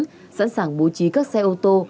đã sẵn sàng bố trí các xe ô tô